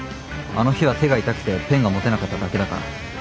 あの日は手が痛くてペンが持てなかっただけだから。